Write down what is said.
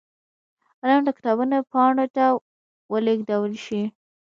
علم د کتابونو پاڼو ته ولېږدول شي.